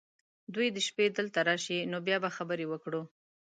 دوی دې شپې دلته راشي ، نو بیا به خبرې وکړو .